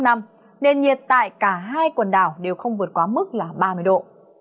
nền nhiệt tại cả hai quần đảo đều không vượt quá mức là ba mươi độ